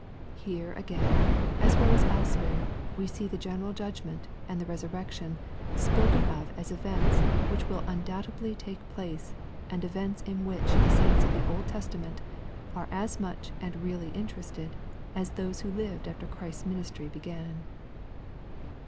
Here again, as well as elsewhere, we see the general judgment and the resurrection spoken of as events i^hich will undoubtedly take place, and events in which the saiii^i? of the Old Testament are as much and really interested as those who lived after Christ's ministiy began.